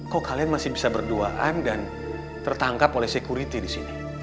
kok kalian masih bisa berduaan dan tertangkap oleh security di sini